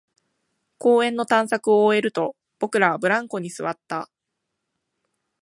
公園の探索を終えると、僕らはブランコに座った